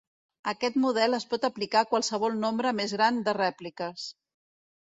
Aquest model es pot aplicar a qualsevol nombre més gran de rèpliques.